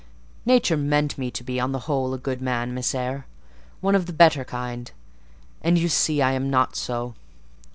Nature meant me to be, on the whole, a good man, Miss Eyre; one of the better kind, and you see I am not so.